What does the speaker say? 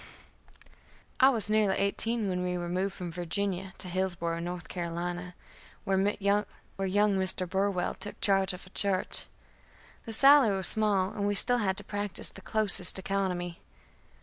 I was nearly eighteen when we removed from Virginia to Hillsboro', North Carolina, where young Mr. Burwell took charge of a church. The salary was small, and we still had to practise the closest economy.